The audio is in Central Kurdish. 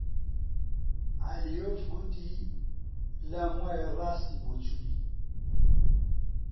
عەلییۆف گوتی: لام وایە ڕاستی بۆ چووی!